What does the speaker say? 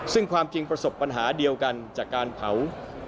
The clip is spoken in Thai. ซึ่งความจริงประสบปัญหาเดียวกันจากการเผา